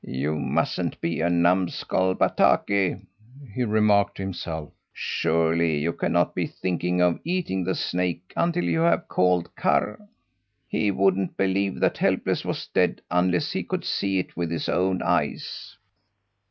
"You mustn't be a numbskull, Bataki!" he remarked to himself. "Surely you cannot be thinking of eating the snake until you have called Karr! He wouldn't believe that Helpless was dead unless he could see it with his own eyes."